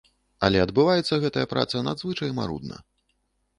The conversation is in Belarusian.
Але адбываецца гэтая праца надзвычай марудна.